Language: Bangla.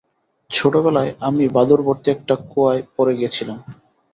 ছোটোবেলায়, আমি বাদুড়ভর্তি একটা কুয়ায় পড়ে গিয়েছিলাম।